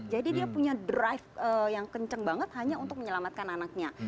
jadi dia punya drive yang kenceng banget hanya untuk menyelamatkan anaknya